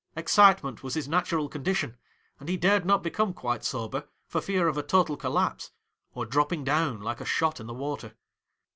Excitement was his natural condition, and he dared not become quite sober for fear of a total collapse — oi dropping down like a shot in the water.'